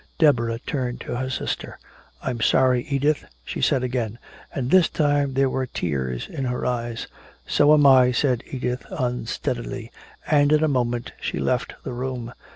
Deborah turned to her sister. "I'm sorry, Edith," she said again, and this time there were tears in her eyes. "So am I," said Edith unsteadily, and in a moment she left the room.